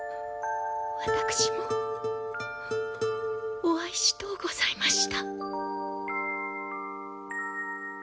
私もお会いしとうございました。